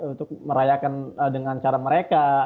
untuk merayakan dengan cara mereka